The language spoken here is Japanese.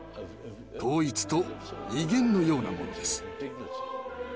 統一と威厳のようなものです。